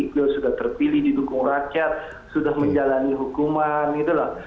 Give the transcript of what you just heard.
beliau sudah terpilih didukung rakyat sudah menjalani hukuman itulah